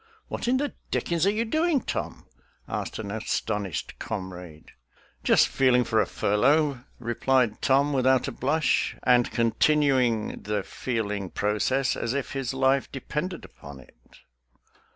"What in the dickens are you doing, Tom?" asked an astonished comrade. " Just feeling for a furlough," replied Tom, without a blush, and continuing the feeling process as if his life depended upon it.